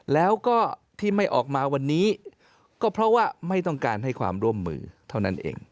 แล้วก็ที่ไม่ออกมาวันนี้ก็เพราะว่าไม่ต้องการให้ความร่วมมือเท่านั้นเอง